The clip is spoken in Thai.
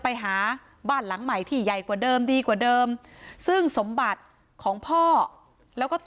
ไปหาบ้านหลังใหม่ที่ใหญ่กว่าเดิมดีกว่าเดิมซึ่งสมบัติของพ่อแล้วก็ตัว